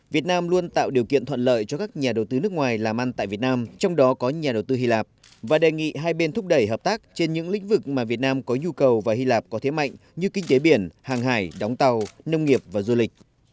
việt nam luôn tạo điều kiện thuận lợi cho các nhà đầu tư nước ngoài làm ăn tại việt nam trong đó có nhà đầu tư hy lạp và đề nghị hai bên thúc đẩy hợp tác trên những lĩnh vực mà việt nam có nhu cầu và hy lạp có thế mạnh như kinh tế biển hàng hải đóng tàu nông nghiệp và du lịch